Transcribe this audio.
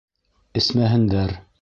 Эсмәһендәр.